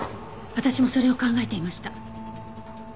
私もそれを考えていました。